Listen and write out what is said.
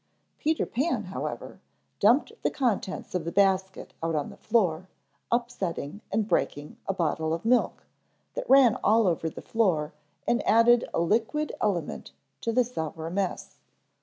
Peter Pan, however, dumped the contents of the basket out on the floor, upsetting and breaking a bottle of milk, that ran all over the floor and added a liquid element to the sour mess.